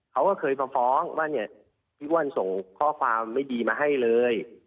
เขาก็เคยมาฟ้องว่าเนี่ยพี่อ้วนส่งข้อความไม่ดีมาให้เลย